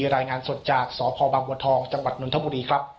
ได้รายงานสดจากสพบังวลทองจังหวัดนธมุรีครับ